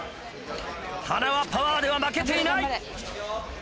塙パワーでは負けていない。